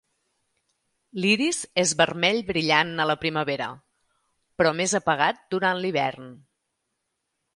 L'iris és vermell brillant a la primavera, però més apagat durant l'hivern.